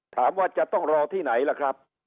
ถามว่าจะต้องรอที่ไหนล่ะครับ